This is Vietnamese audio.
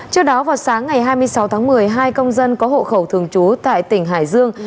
trước đó vào sáng ngày hai mươi sáu tháng một mươi hai công dân có hộ khẩu thường trú tại tỉnh hải dương